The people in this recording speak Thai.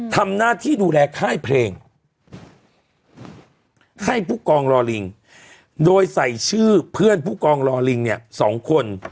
ทำหน้าที่ดูแลค่ายเพลงให้ผู้กองรอลิงโดยใส่ชื่อเพื่อนผู้กองรอลิงเนี่ย๒คน